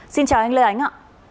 xin chào anh lê ánh ạ